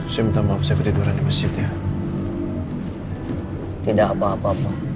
simpang maaf saya tiduran di masjid ya tidak apa apa